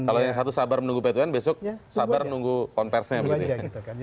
kalau yang satu sabar menunggu pt un besok sabar menunggu konversenya